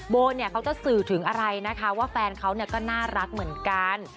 โบเนี่ยเขาจะสื่อถึงอะไรนะคะว่าแฟนเขาก็น่ารักเหมือนกัน